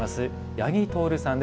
八木透さんです。